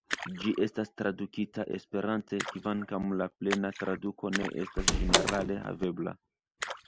Ĝi estas tradukita Esperante, kvankam la plena traduko ne estas ĝenerale havebla.